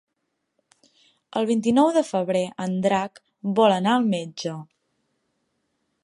El vint-i-nou de febrer en Drac vol anar al metge.